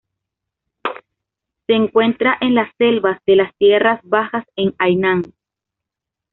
Se encuentra en las selvas de las tierras bajas en Hainan.